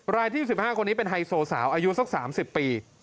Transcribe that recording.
รายที่๑๕คนนี้เป็นไฮโซสาวอายุสัก๓๐ปี